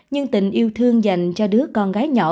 nhưng tình yêu thương dành cho đứa con gái nhỏ